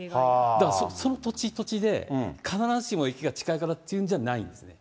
だからその土地土地で、必ずしも駅が近いからっていうんじゃないんですね。